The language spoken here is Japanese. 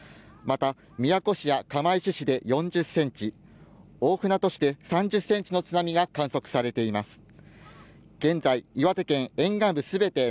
また、宮古市や釜石市で４０センチ、大船渡市で３０センチの津波が観測されています。